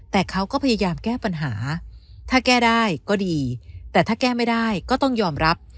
แต่เขาก็พยายามแก้ปัญหาถ้าแก้ได้ก็ดีแต่ถ้าแก้ไม่ได้ก็ต้องยอมรับ